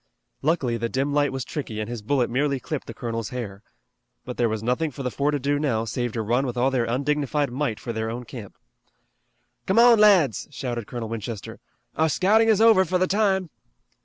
Luckily the dim light was tricky and his bullet merely clipped the colonel's hair. But there was nothing for the four to do now save to run with all their undignified might for their own camp. "Come on, lads!" shouted Colonel Winchester. "Our scouting is over for the time!"